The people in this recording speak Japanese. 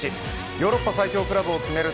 ヨーロッパ最強クラブを決める